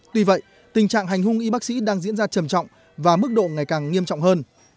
tuy vậy tình trạng hành hung y bác sĩ đang diễn ra trầm trọng và mức độ ngày càng nghiêm trọng hơn